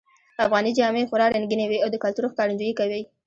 افغانۍ جامې خورا رنګینی وی او د کلتور ښکارندویې کوی